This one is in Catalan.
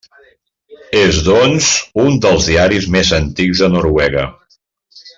És doncs un dels diaris més antics de Noruega.